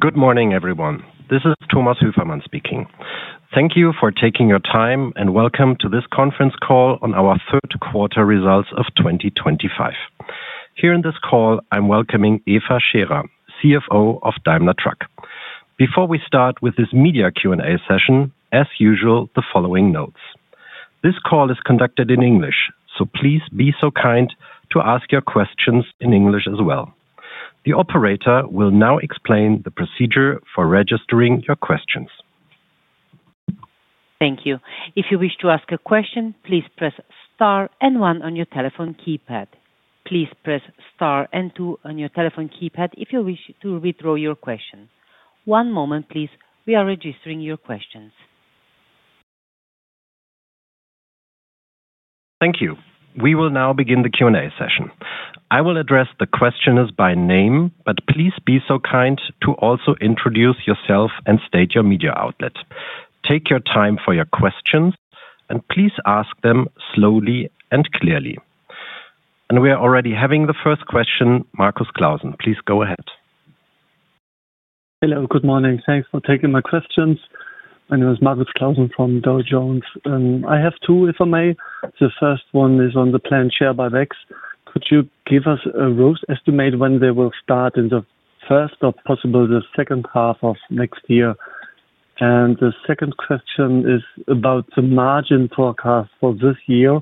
Good morning, everyone. This is Thomas Hofmann speaking. Thank you for taking your time, and welcome to this conference call on our third-quarter results of 2025. Here in this call, I'm welcoming Eva Scherer, CFO of Daimler Truck. Before we start with this media Q&A session, as usual, the following notes. This call is conducted in English, so please be so kind to ask your questions in English as well. The operator will now explain the procedure for registering your questions. Thank you. If you wish to ask a question, please press Star and one on your telephone keypad. Please press Star and two on your telephone keypad if you wish to withdraw your question. One moment, please. We are registering your questions. Thank you. We will now begin the Q&A session. I will address the questioners by name, but please be so kind to also introduce yourself and state your media outlet. Take your time for your questions, and please ask them slowly and clearly. We are already having the first question, Markus Clausen. Please go ahead. Hello, good morning. Thanks for taking my questions. My name is Markus Clausen from Dow Jones. I have two, if I may. The first one is on the planned share buyback. Could you give us a rough estimate when they will start, in the first or possibly the second half of next year? The second question is about the margin forecast for this year.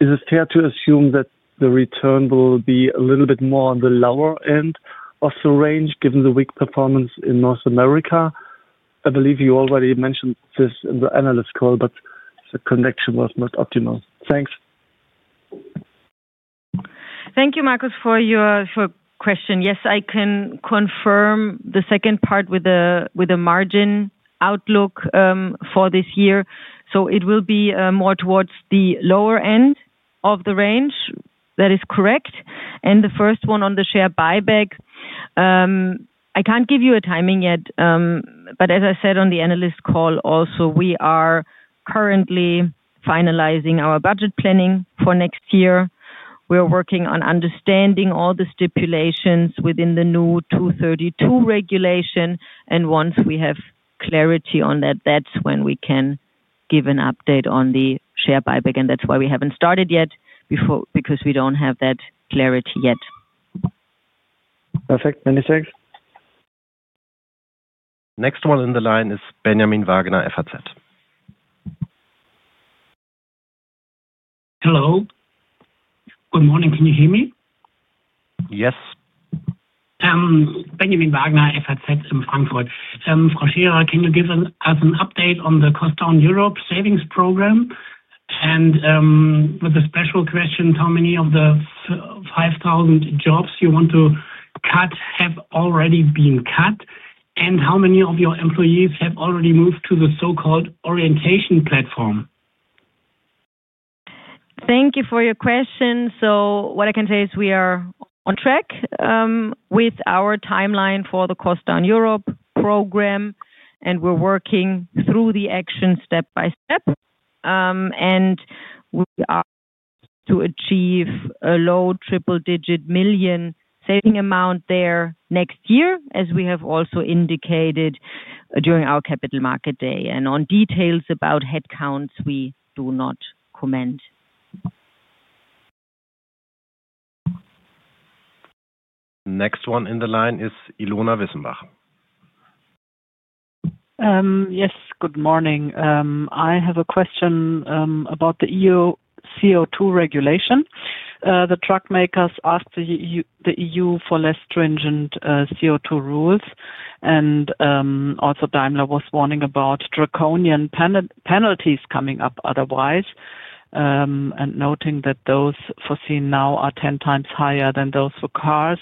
Is it fair to assume that the return will be a little bit more on the lower end of the range given the weak performance in North America? I believe you already mentioned this in the analyst call, but the connection was not optimal. Thanks. Thank you, Markus, for your question. Yes, I can confirm the second part with the margin outlook for this year. It will be more towards the lower end of the range. That is correct. The first one on the share buyback. I can't give you a timing yet, but as I said on the analyst call also, we are currently finalizing our budget planning for next year. We are working on understanding all the stipulations within the new 232 regulation. Once we have clarity on that, that's when we can give an update on the share buyback. That is why we haven't started yet, because we don't have that clarity yet. Perfect. Many thanks. Next one in the line is Benjamin Wagner, FHZ. Hello. Good morning. Can you hear me? Yes. Benjamin Wagner, FHZ in Frankfurt. Frau Scherer, can you give us an update on the Cost Down Europe savings program? With the special question, how many of the 5,000 jobs you want to cut have already been cut? How many of your employees have already moved to the so-called orientation platform? Thank you for your question. What I can say is we are on track with our timeline for the Cost Down Europe program, and we are working through the action step by step. We are to achieve a low triple-digit million saving amount there next year, as we have also indicated during our capital market day. On details about headcounts, we do not comment. Next one in the line is Ilona Wissenbach. Yes, good morning. I have a question about the EU CO2 regulation. The truck makers asked the EU for less stringent CO2 rules. Daimler was warning about draconian penalties coming up otherwise, noting that those foreseen now are 10 times higher than those for cars.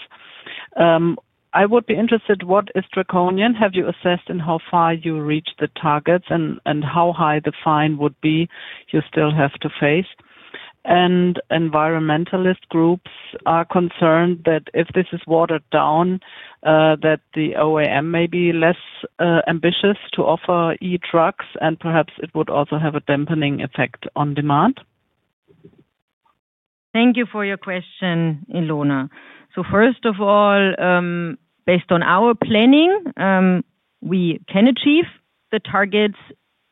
I would be interested, what is draconian? Have you assessed in how far you reached the targets and how high the fine would be you still have to face? Environmentalist groups are concerned that if this is watered down, the OEM may be less ambitious to offer e-trucks, and perhaps it would also have a dampening effect on demand. Thank you for your question, Ilona. First of all, based on our planning, we can achieve the targets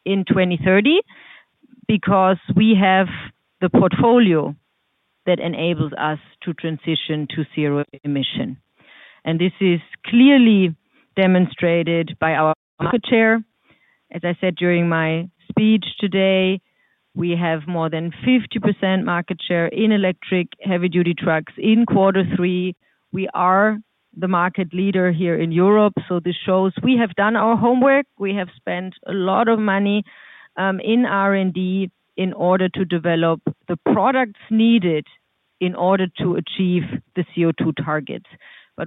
in 2030 because we have the portfolio that enables us to transition to zero emission. This is clearly demonstrated by our market share. As I said during my speech today, we have more than 50% market share in electric heavy-duty trucks in quarter three. We are the market leader here in Europe. This shows we have done our homework. We have spent a lot of money in R&D in order to develop the products needed in order to achieve the CO2 targets.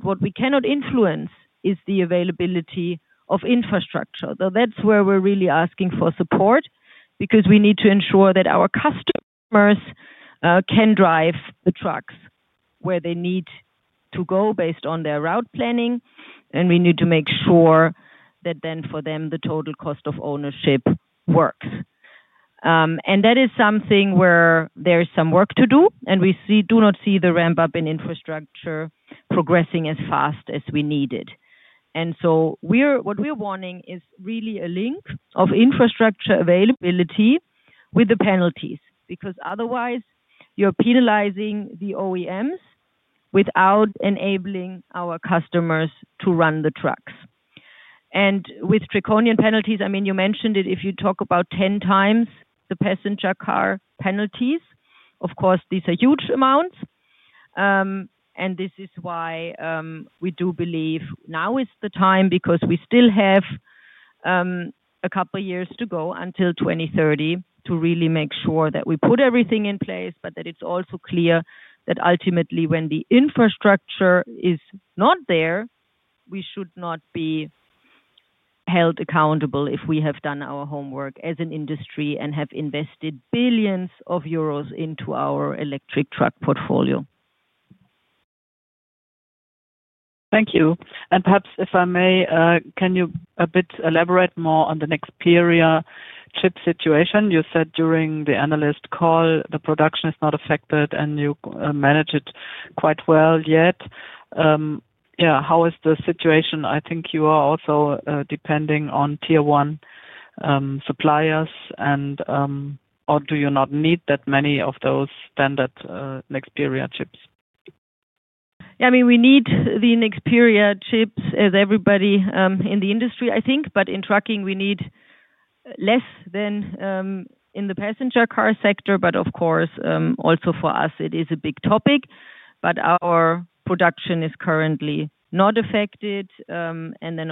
What we cannot influence is the availability of infrastructure. That is where we are really asking for support, because we need to ensure that our customers can drive the trucks where they need to go based on their route planning. We need to make sure that then for them the total cost of ownership works. That is something where there is some work to do, and we do not see the ramp-up in infrastructure progressing as fast as we need it. What we are warning is really a link of infrastructure availability with the penalties, because otherwise you are penalizing the OEMs without enabling our customers to run the trucks. With draconian penalties, I mean, you mentioned it, if you talk about 10x the passenger car penalties, of course, these are huge amounts. This is why we do believe now is the time, because we still have a couple of years to go until 2030 to really make sure that we put everything in place, but that it is also clear that ultimately when the infrastructure is not there, we should not be. Held accountable if we have done our homework as an industry and have invested billions of euros into our electric truck portfolio. Thank you. Perhaps if I may, can you a bit elaborate more on the Nexperia chip situation? You said during the analyst call the production is not affected and you manage it quite well yet. Yeah, how is the situation? I think you are also depending on tier one suppliers, and. Or do you not need that many of those standard Nexperia chips? Yeah, I mean, we need the Nexperia chips as everybody in the industry, I think. In trucking, we need less than in the passenger car sector. Of course, also for us, it is a big topic. Our production is currently not affected.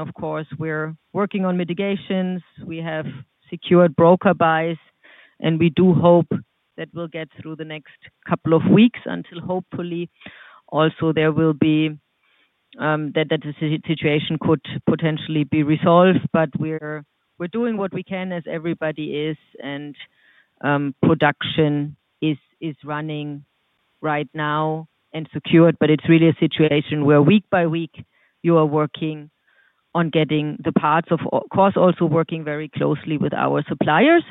Of course, we are working on mitigations. We have secured broker buys, and we do hope that we will get through the next couple of weeks until hopefully also there will be, that the situation could potentially be resolved. We are doing what we can as everybody is. Production is running right now and secured. It is really a situation where week by week you are working on getting the parts, of course also working very closely with our suppliers.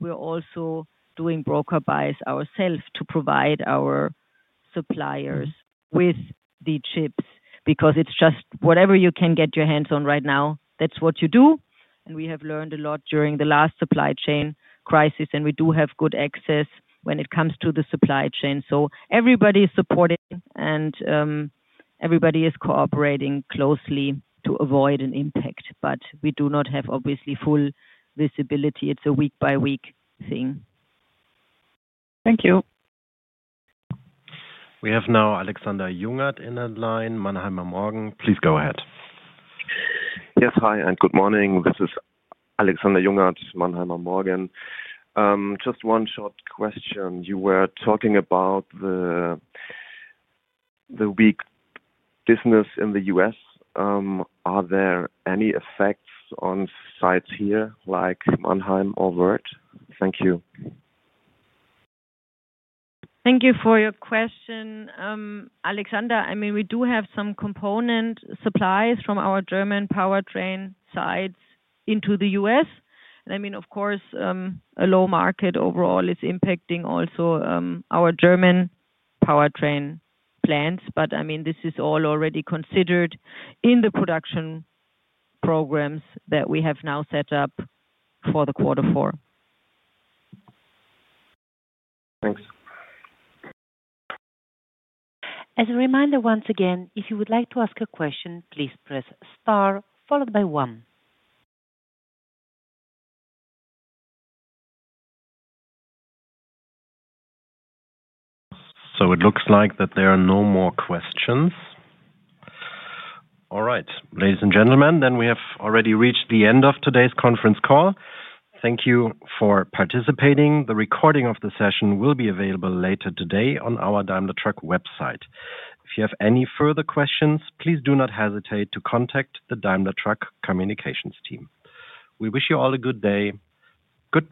We're also doing broker buys ourselves to provide our suppliers with the chips, because it's just whatever you can get your hands on right now, that's what you do. We have learned a lot during the last supply chain crisis, and we do have good access when it comes to the supply chain. Everybody is supporting and everybody is cooperating closely to avoid an impact. We do not have obviously full visibility. It's a week-by-week thing. Thank you. We have now Alexander Jungert on the line. Mannheimer Morgen, please go ahead. Yes, hi and good morning. This is Alexander Jungert, Mannheimer Morgen. Just one short question. You were talking about the weak business in the U.S. Are there any effects on sites here like Mannheim or Wörth? Thank you. Thank you for your question. Alexander, I mean, we do have some component supplies from our German powertrain sites into the U.S.. I mean, of course, a low market overall is impacting also our German powertrain plans. I mean, this is all already considered in the production programs that we have now set up for the quarter four. Thanks. As a reminder once again, if you would like to ask a question, please press Star followed by one. It looks like there are no more questions. All right, ladies and gentlemen, we have already reached the end of today's conference call. Thank you for participating. The recording of the session will be available later today on our Daimler Truck website. If you have any further questions, please do not hesitate to contact the Daimler Truck Communications team. We wish you all a good day. Good.